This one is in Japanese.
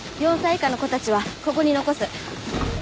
４歳以下の子たちはここに残す。